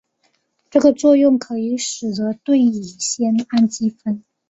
这个作用可以使得对乙酰氨基酚。